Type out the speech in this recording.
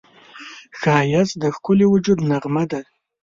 ښایست د ښکلي وجود نغمه ده